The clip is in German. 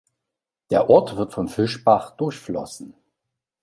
Der Ort wird vom Fischbach durchflossen.